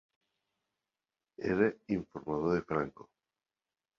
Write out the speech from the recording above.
Era informador de Franco.